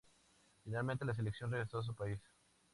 Finalmente, la selección regresó a su país.